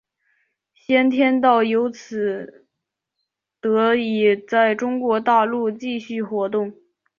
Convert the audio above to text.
先天道由此得以在中国大陆继续活动。